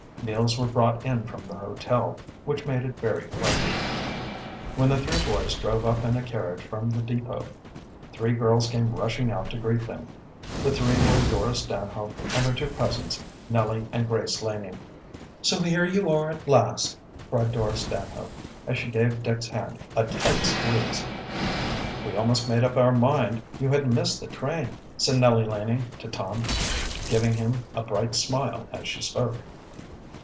Meals were brought in from the hotel, which made it very pleasant. When the three boys drove up in a carriage from the depot, three girls came rushing out to greet them. The three were Dora Stanhope and her two cousins, Nellie and Grace Laning. "So here you are at last!" cried Dora Stanhope, as she gave Dick's hand a tight squeeze. "We almost made up our mind you had missed the train," said Nellie Laning to Tom, giving him a bright smile as she spoke.